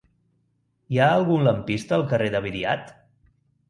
Hi ha algun lampista al carrer de Viriat?